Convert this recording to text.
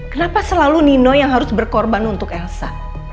kenapa selalu nino yang harus berkorban untuk elsa